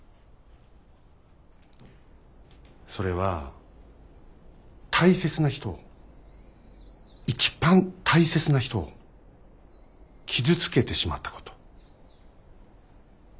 それは大切な人を一番大切な人を傷つけてしまったこと。